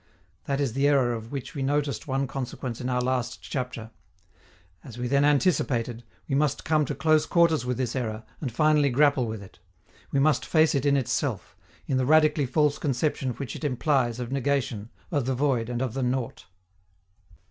That is the error of which we noticed one consequence in our last chapter. As we then anticipated, we must come to close quarters with this error, and finally grapple with it. We must face it in itself, in the radically false conception which it implies of negation, of the void and of the nought.